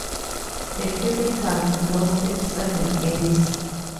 The Capitals lost in seven games.